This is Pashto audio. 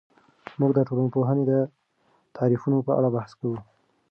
موږ د ټولنپوهنې د تعریفونو په اړه بحث کوو.